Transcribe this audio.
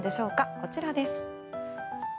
こちらです。